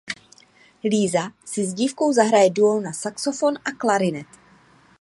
Líza si s dívkou zahraje duo na saxofon a klarinet.